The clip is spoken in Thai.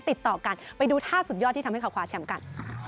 ติดต่อกันไปดูท่าสุดยอดที่ทำให้เขาคว้าแชมป์กัน